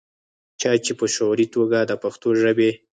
چا چې پۀ شعوري توګه دَپښتو ژبې